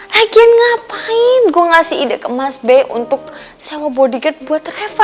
lagian ngapain gue ngasih ide ke mas b untuk sewa bodyguard buat reva